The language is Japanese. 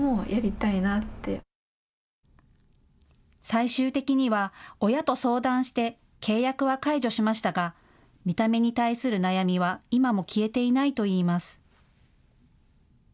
最終的には親と相談して契約は解除しましたが見た目に対する悩みは今も消えていないと言います。